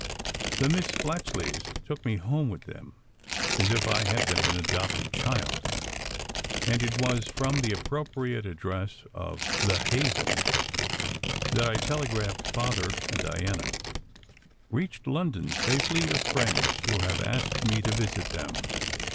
The Miss Splatchleys took me home with them, as if I had been an adopted child; and it was from the appropriate address of "The Haven" that I telegraphed Father and Diana: "Reached London safely with friends who have asked me to visit them.